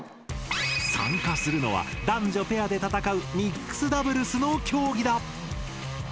参加するのは男女ペアで戦うミックスダブルスの競技だ。